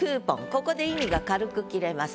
ここで意味が軽く切れます。